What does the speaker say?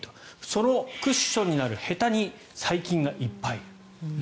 そのクッションになるへたに細菌がいっぱいいる。